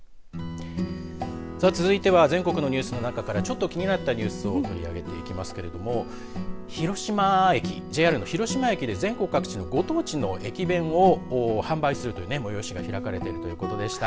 続いては全国のニュースの中からちょっと気になったニュースを取り上げてきますけれどもＪＲの広島駅で全国各地のご当地の駅弁を販売するという催しが開かれているということでした。